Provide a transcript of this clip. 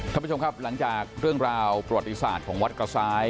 ท่านผู้ชมครับหลังจากเรื่องราวประวัติศาสตร์ของวัดกระซ้าย